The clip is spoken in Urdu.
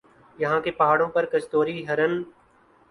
یہاں کے پہاڑوں پر کستوری ہرن